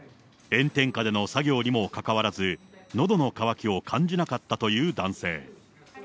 炎天下での作業にもかかわらず、のどの渇きを感じなかったという男性。